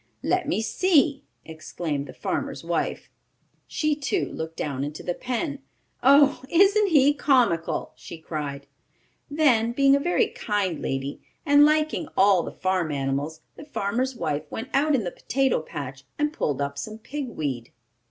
"Let me see!" exclaimed the farmer's wife. She, too, looked down into the pen. "Oh, isn't he comical!" she cried. Then, being a very kind lady, and liking all the farm animals, the farmer's wife went out in the potato patch and pulled up some pig weed.